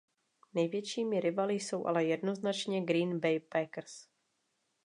Největšími rivaly jsou ale jednoznačně Green Bay Packers.